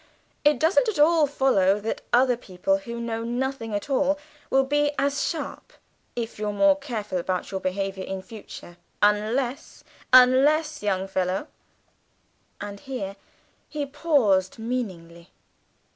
It doesn't at all follow that other people, who know nothing at all, will be as sharp; if you're more careful about your behaviour in future unless, unless, young fellow " and here he paused meaningly.